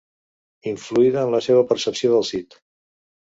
Influïda en la seva percepció del Cid.